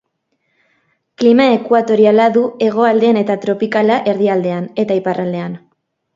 Klima ekuatoriala du hegoaldean eta tropikala erdialdean eta iparraldean.